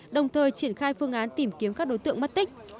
đồng thời triển khai phương án tìm kiếm các đối tượng mất tích